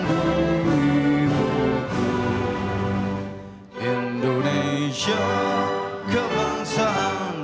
pemirsa dan hadirin sekalian